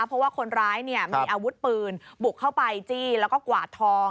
เพราะว่าคนร้ายมีอาวุธปืนบุกเข้าไปจี้แล้วก็กวาดทอง